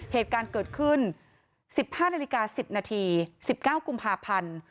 เหตุการณ์เกิดขึ้น๑๕นาฬิกา๑๐นาที๑๙กุมภาพันธ์